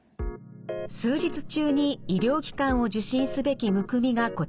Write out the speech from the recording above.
数日中に医療機関を受診すべきむくみがこちらです。